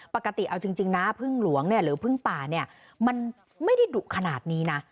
ปกติเอาจริงนะพึ่งหลวงเนี่ยหรือพึ่งป่าเนี่ยมันไม่ได้ดุขนาดนี้นะ